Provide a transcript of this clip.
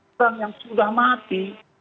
orang yang sudah mati